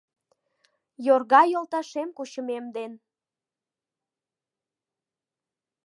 Йорга йолташем кучымем ден